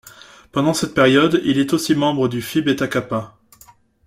Pendant cette période, il est aussi membre du Phi Beta Kappa.